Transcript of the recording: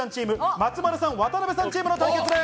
松丸さん、渡邊さんチームの対決です。